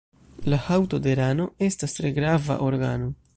La haŭto de rano estas tre grava organo.